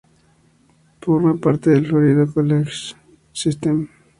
Forma parte del Florida College System.